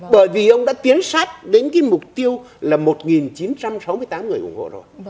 bởi vì ông đã tiến sát đến cái mục tiêu là một chín trăm sáu mươi tám người ủng hộ rồi